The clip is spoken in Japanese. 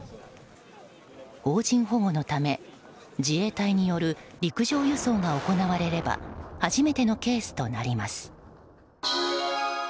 邦人保護のため自衛隊による陸上輸送が行われれば初めてのケースとなります。